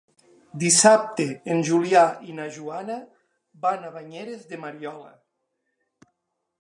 Dissabte en Julià i na Joana van a Banyeres de Mariola.